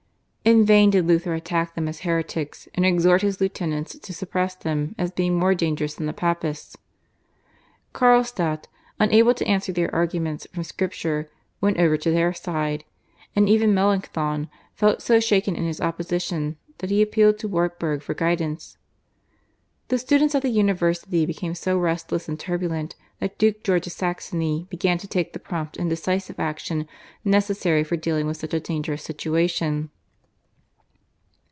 In vain did Luther attack them as heretics, and exhort his lieutenants to suppress them as being more dangerous than the Papists. Carlstadt, unable to answer their arguments from Scripture, went over to their side, and even Melanchthon felt so shaken in his opposition that he appealed to Wartburg for guidance. The students at the university became so restless and turbulent that Duke George of Saxony began to take the prompt and decisive action necessary for dealing with such a dangerous situation.